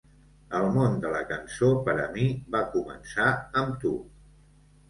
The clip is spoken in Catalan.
El món de la cançó per a mi va començar amb tu.